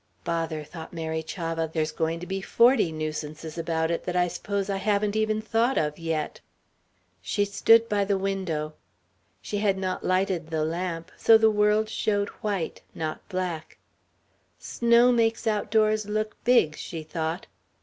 "Bother," thought Mary Chavah, "there's going to be forty nuisances about it that I s'pose I haven't even thought of yet." She stood by the window. She had not lighted the lamp, so the world showed white, not black. Snow makes outdoors look big, she thought.